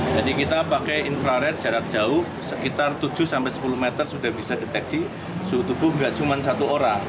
kita pakai infrared jarak jauh sekitar tujuh sampai sepuluh meter sudah bisa deteksi suhu tubuh nggak cuma satu orang